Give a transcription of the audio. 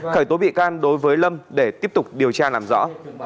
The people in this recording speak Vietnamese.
khởi tố bị can đối với lâm để tiếp tục điều tra làm rõ